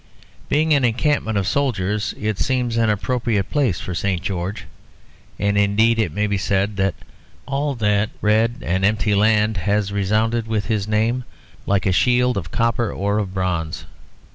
Being an encampment of soldiers, it seems an appropriate place for St. George; and indeed it may be said that all that red and empty land has resounded with his name like a shield of copper or of bronze.